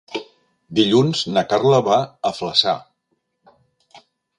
Dilluns na Carla va a Flaçà.